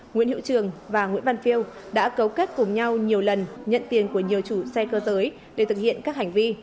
nguyễn hiệu trường và nguyễn văn phiêu đã cấu kết cùng nhau nhiều lần nhận tiền của nhiều chủ xe cơ giới để thực hiện các hành vi